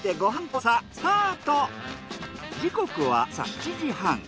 時刻は朝７時半。